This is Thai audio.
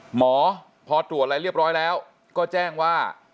หมอพอตรวจอะไรเรียบร้อยแล้วก็แจ้งว่า